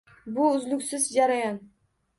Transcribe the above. Bu — uzluksiz jarayon.